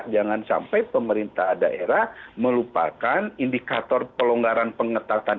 jangan sampai pemerintah daerah melupakan indikator pelonggaran pengetatan